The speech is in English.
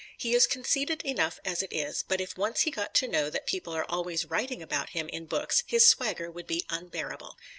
He is conceited enough as it is, but if once he got to know that people are always writing about him in books his swagger would be unbearable.